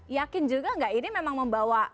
yakin juga nggak ini memang membawa